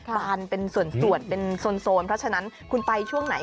บานเป็นส่วนเป็นโซนเพราะฉะนั้นคุณไปช่วงไหน